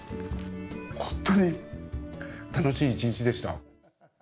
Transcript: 本当に楽しい一日でした。